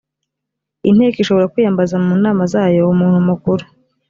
inteko ishobora kwiyambaza mu nama zayo umuntu mukuru